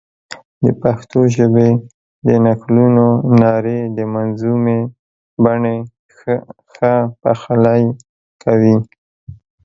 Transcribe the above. د پښتو ژبې د نکلونو نارې د منظومې بڼې ښه پخلی کوي.